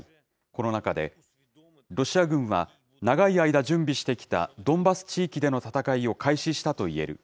この中で、ロシア軍は長い間準備してきたドンバス地域での戦いを開始したといえる。